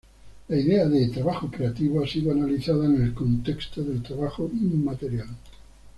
La idea de "trabajo creativo" ha sido analizada en el contexto del trabajo inmaterial.